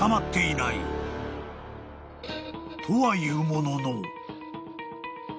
［とはいうものの］